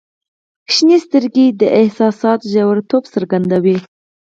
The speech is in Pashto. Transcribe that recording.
• شنې سترګې د احساساتو ژوریتوب څرګندوي.